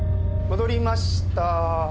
戻りましたー。